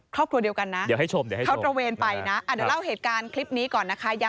ครอบครัวเดียวกันนะเดี๋ยวให้ชม